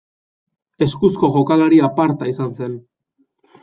Eskuzko jokalari aparta izan zen.